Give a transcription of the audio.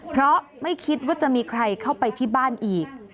เพราะไม่คิดว่าจะมีใครเข้าไปที่บ้านอีก